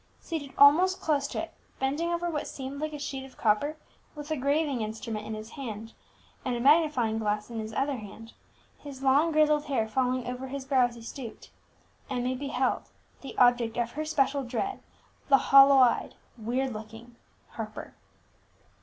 Seated almost close to it, bending over what seemed like a sheet of copper, with a graving instrument in his right hand, and a magnifying glass in his left, his long grizzled hair falling over his brow as he stooped, Emmie beheld the object of her special dread, the hollow eyed, weird looking Harper!